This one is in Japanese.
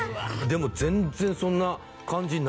でも全然そんな感じないよ